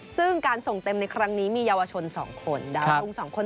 ซึ่งการส่งเต็มในครั้งนี้มีเยาวชนสองคน